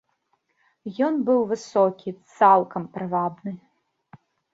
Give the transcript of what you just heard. Ён быў высокі, цалкам прывабны.